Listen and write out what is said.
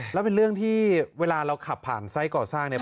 แล้วเป็นเรื่องที่เวลาเราขับผ่านไซส์ก่อสร้างเนี่ย